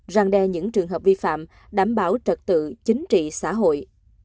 răng đe những trường hợp vi phạm đảm bảo trật tự chính trị xã hội